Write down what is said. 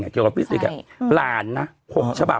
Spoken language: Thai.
เกี่ยวกับพิสิกส์หลานนะ๖ฉบับ